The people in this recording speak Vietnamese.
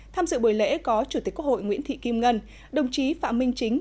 tham dự buổi lễ có chủ tịch quốc hội nguyễn thị kim ngân đồng chí phạm minh chính